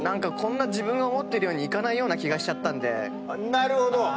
なるほど。